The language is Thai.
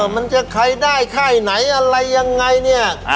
มันจะใครได้ค่ายไหนอะไรยังไงเนี่ย